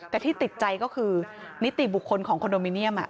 แต่ที่ติดใจก็คือนิติบุคคลของคอนโดมิเนียม